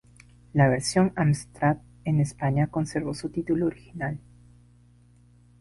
La versión Amstrad en España conservó su título original.